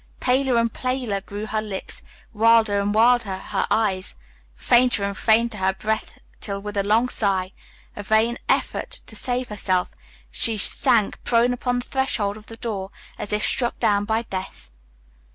Paler and paler grew her lips, wilder and wilder her eyes, fainter and fainter her breath, till, with a long sigh, a vain effort to save herself, she sank prone upon the threshold of the door, as if struck down by death.